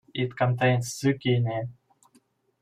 It contains Zucchini.